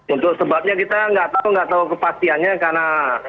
untuk sebabnya kita nggak tahu kepastiannya karena